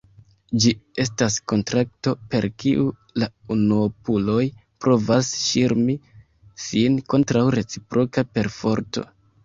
Ĝi estas kontrakto, per kiu la unuopuloj provas ŝirmi sin kontraŭ reciproka perforto.